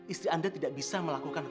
istri anda tidak bisa melakukan